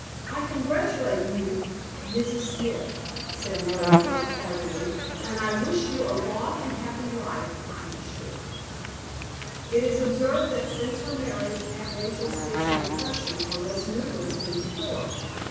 "I congratulate you, Mrs. Smith," said Mary Crump, heartily; "and I wish you a long and happy life, I am sure." It is observed that, since her marriage, Aunt Rachel's fits of depression are less numerous than before.